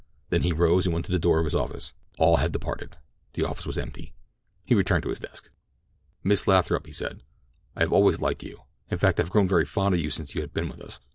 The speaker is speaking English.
Then he rose and went to the door of his office. All had departed—the office was empty. He returned to his desk. "Miss Lathrop," he said, "I have always liked you—in fact, I have grown very fond of you since you have been with us.